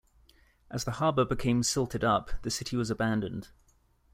As the harbour became silted up, the city was abandoned.